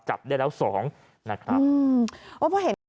จับได้แล้วสองนะครับอืม